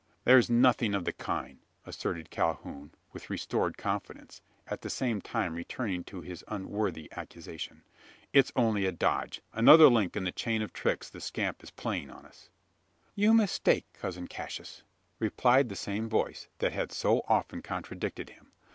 "There's nothing of the kind," asserted Calhoun, with restored confidence, at the same time returning to his unworthy accusation. "It's only a dodge another link in the chain of tricks the scamp is playing us." "You mistake, cousin Cassius," replied that same voice that had so often contradicted him.